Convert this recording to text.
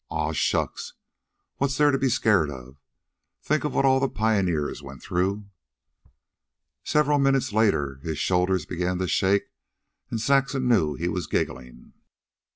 "Aw, shucks! What's there to be scared of? Think of what all the pioneers went through." Several minutes later his shoulders began to shake, and Saxon knew he was giggling.